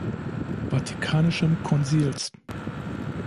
Vatikanischen Konzils.